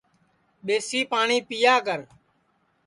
ٻیسی پاٹؔی پِیا کر